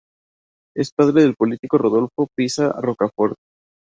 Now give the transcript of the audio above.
Es padre del político Rodolfo Piza Rocafort.